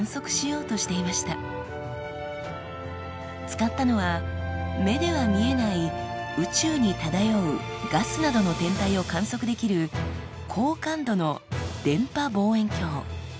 使ったのは目では見えない宇宙に漂うガスなどの天体を観測できる高感度の電波望遠鏡。